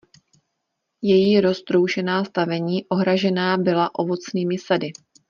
Její roztroušená stavení ohražená byla ovocnými sady.